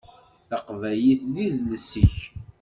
Taqbaylit d idles-ik.